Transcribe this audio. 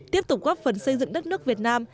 tiếp tục góp phần xây dựng đất nước việt nam